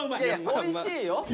おいしいよ。